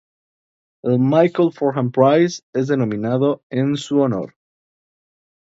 El Michael Fordham Prize es denominado en su honor.